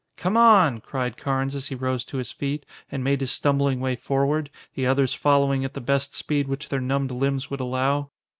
"Come on!" cried Carnes as he rose to his feet, and made his stumbling way forward, the others following at the best speed which their numbed limbs would allow.